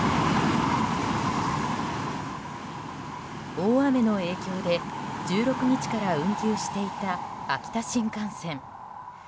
大雨の影響で１６日から運休していた秋田新幹線。